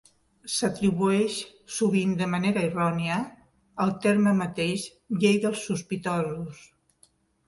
S'atribueix sovint de manera errònia al terme mateix "Llei dels sospitosos".